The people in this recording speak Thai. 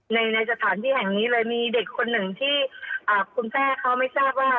ในในสถานที่แห่งนี้เลยมีเด็กคนหนึ่งที่คุณแม่เขาไม่ทราบว่า